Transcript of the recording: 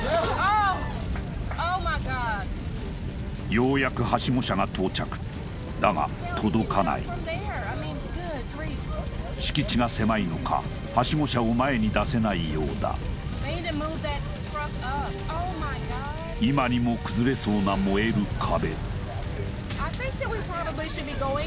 ようやくはしご車が到着だが届かない敷地が狭いのかはしご車を前に出せないようだ今にも崩れそうな燃える壁